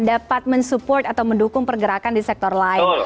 dapat men support atau mendukung pergerakan di sektor lain